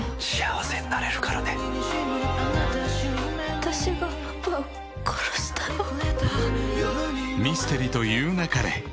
「私がパパを殺したの」女性）